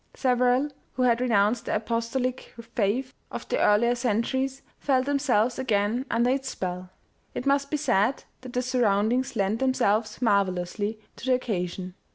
Several, who had renounced the apostolic faith of the earlier centuries, felt themselves again under its spell. It must be said that the surround ings lent themselves marvellously to the occasion.